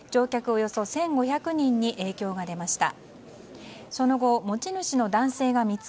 およそ１５００人に影響が出ました。